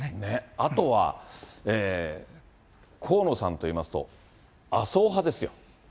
あとは河野さんといいますと、麻生派ですよ。